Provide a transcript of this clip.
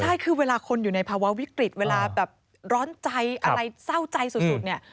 ได้คือเวลาคนอยู่ในภาวะวิกฤตเวลาแบบร้อนใจอะไรเศร้าใจสุดเนี่ย